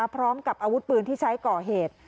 พร้อมกับอาวุธปืนที่ใช้ก่อเหตุ